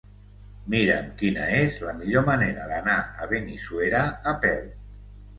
Mira'm quina és la millor manera d'anar a Benissuera a peu.